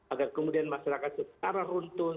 agar kemudian masyarakat secara runtun